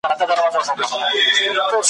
وايی خوب د لېونو دی !.